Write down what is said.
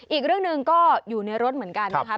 อีกเรื่องหนึ่งก็อยู่ในรถเหมือนกันนะครับ